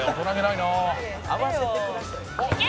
「いけ！」